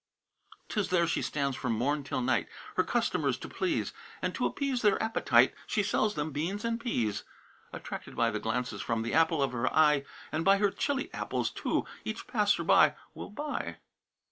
'Tis there she stands from morn till night, Her customers to please, And to appease their appetite She sells them beans and peas. Attracted by the glances from The apple of her eye, And by her Chili apples, too, Each passer by will buy.